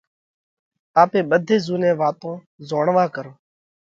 آپي ٻڌي زُوني واتون زوڻوا ڪرونه،